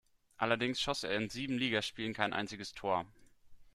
Allerdings schoss er in sieben Ligaspielen kein einziges Tor.